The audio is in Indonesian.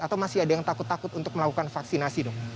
atau masih ada yang takut takut untuk melakukan vaksinasi dok